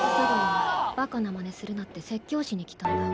バカなまねするなって説教しに来たんだ。